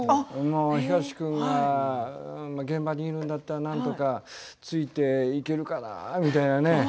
ヒガシ君が現場にいるんだったらなんとかついていけるかなみたいなね。